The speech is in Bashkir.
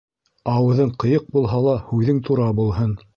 Ауыҙың ҡыйыҡ булһа ла, һүҙең тура булһын!